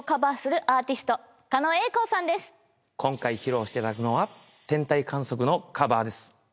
今回披露していただくのは『天体観測』のカバーです。